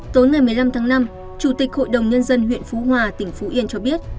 tối ngày một mươi năm tháng năm chủ tịch hội đồng nhân dân huyện phú hòa tỉnh phú yên cho biết